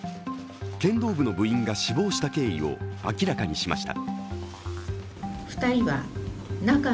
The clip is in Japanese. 剣道部の部員が死亡した経緯を明らかにしました。